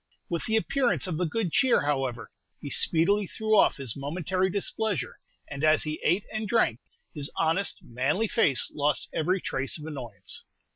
With the appearance of the good cheer, however, he speedily threw off his momentary displeasure, and as he ate and drank, his honest, manly face lost every trace of annoyance.